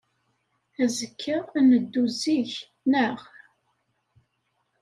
Azekka, ad neddu zik, naɣ?